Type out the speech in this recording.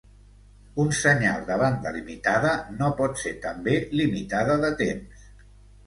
Un senyal de banda limitada no pot ser també limitada de temps.